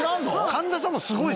神田さんもすごい。